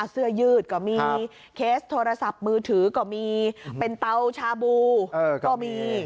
เสื้อยืดก็มีเคสโทรศัพท์มือถือก็มีเป็นเตาชาบูก็มี